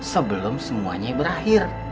sebelum semuanya berakhir